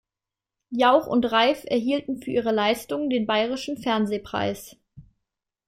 Jauch und Reif erhielten für ihre Leistung den Bayerischen Fernsehpreis.